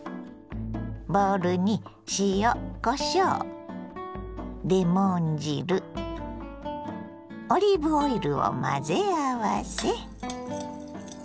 ボウルに塩こしょうレモン汁オリーブオイルを混ぜ合わせ。